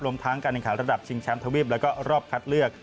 ทั้งการแข่งขันระดับชิงแชมป์ทวีปแล้วก็รอบคัดเลือก